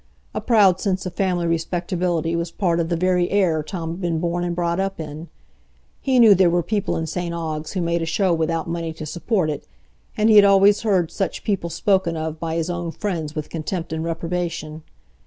A proud sense of family respectability was part of the very air Tom had been born and brought up in. He knew there were people in St Ogg's who made a show without money to support it, and he had always heard such people spoken of by his own friends with contempt and reprobation.